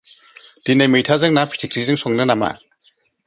दिनै मैथाजों ना फिथिख्रिजों संनो नामा?